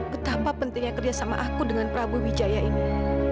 betapa pentingnya kerjasama aku dengan prabu wijaya ini